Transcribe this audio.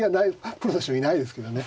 プロの将棋ないですけどね。